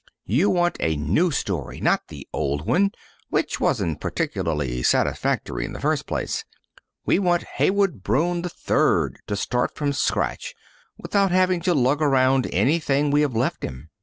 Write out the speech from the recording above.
You want a new story and not the old one, which wasn't particularly satisfactory in the first place. We want Heywood Broun, 3rd, to start from scratch without having to lug along anything we have left him.